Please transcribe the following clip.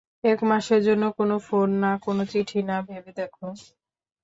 এক মাসের জন্য, কোনো ফোন না, কোনো চিঠি না ভেবে দেখো।